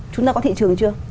chúng ta có thị trường chưa